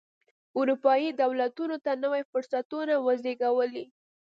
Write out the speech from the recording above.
اروپايي دولتونو ته نوي فرصتونه وزېږولې.